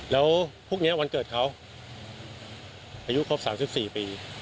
แล้วพวกนี้วันเกิดเขาอายุครบ๓๔ปี